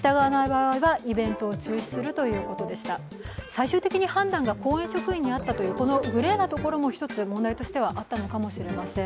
最終的に判断が公営職員にあったというこのグレーなところも一つ問題があったのかもしれません。